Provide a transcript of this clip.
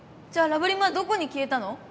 じゃあラブリムはどこにきえたの？